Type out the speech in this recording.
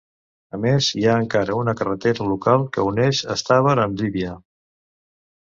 A més, hi ha encara una carretera local que uneix Estavar amb Llívia.